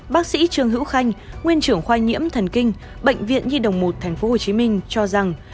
bác sĩ trương hữu khanh nguyên trưởng khoa nhiễm thần kinh bệnh viện nhi đồng một tp hcm cho rằng